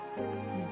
うん。